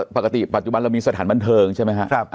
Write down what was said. ปัจจุบันเรามีสถานบันเทิงใช่ไหมครับ